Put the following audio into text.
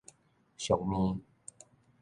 俗物